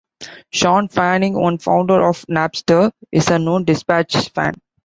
Shawn Fanning, one founder of Napster, is a known Dispatch fan.